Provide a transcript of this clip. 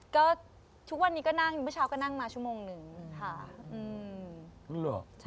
ก็ทุกวันนี้ก็นั่งเมื่อเช้าก็นั่งมาชั่วโมงหนึ่งค่ะ